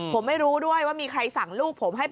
ผมไม่รู้ด้วยว่ามีใครสั่งลูกผมให้